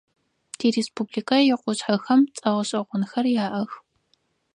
Тиреспубликэ икъушъхьэхэм цӏэ гъэшӏэгъонхэр яӏэх.